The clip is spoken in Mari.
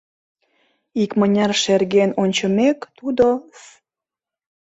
Икмыняр шерген ончымек, тудо С.